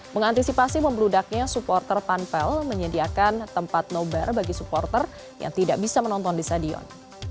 mengantisipasi membludaknya supporter panpel menyediakan tempat nobar bagi supporter yang tidak bisa menonton di stadion